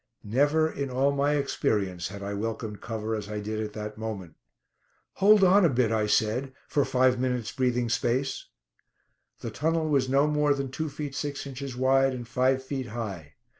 Never in all my experience had I welcomed cover as I did at that moment. "Hold on a bit," I said, "for five minutes' breathing space." The tunnel was no more than two feet six inches wide and five feet high.